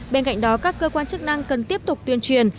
bên cạnh đó các cơ quan chức năng cần tiếp tục tuyên truyền